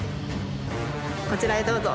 こちらへどうぞ。